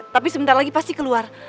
tapi sebentar lagi pasti keluar